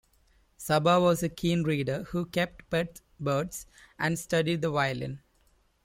Saba was a keen reader who kept pet birds and studied the violin.